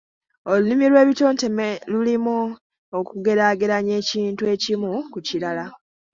Olulimi lw'ebitontome lulimu okugeraageranya ekintu ekimu ku kirala.